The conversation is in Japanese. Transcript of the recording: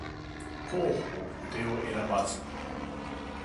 弘法筆を選ばず